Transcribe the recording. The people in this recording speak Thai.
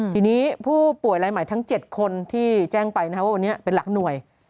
ทีนี้ผู้ป่วยรายใหม่ทั้ง๗คนที่แจ้งไปว่าวันนี้เป็นหลักหน่วย